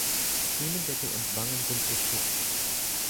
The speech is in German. Kiemendeckel und Wangen sind beschuppt.